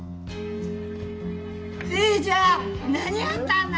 ねえちゃん何やったんだ？